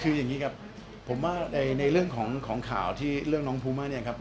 คืออย่างนี้ครับผมว่าในเรื่องของข่าวที่เรื่องน้องภูมาเนี่ยครับ